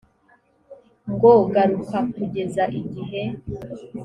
ngo garuka kugeza igihe